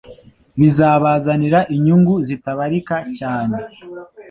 bizabazanira inyungu zitabarika cyane